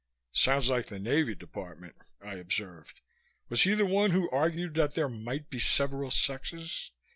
"Sounds like the Navy Department," I observed. "Was he the one who argued that there might be several sexes?